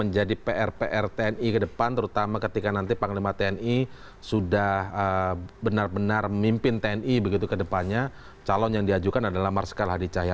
jangan lupa subscribe channel ini